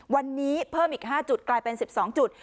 วันนี้เพิ่มอีก๕จุดกลายเป็น๑๒จุด